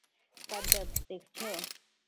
সাজ্জাদ, দেখছো?